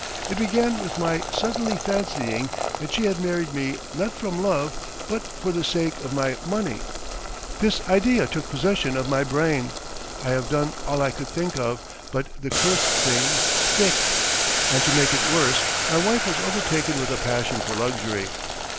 It began with my suddenly fancying that she had married me not from love, but for the sake of my money. This idea took possession of my brain. I have done all I could think of, but the cursed thing sticks! And to make it worse my wife was overtaken with a passion for luxury.